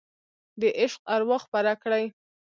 د عشق اروا خپره کړئ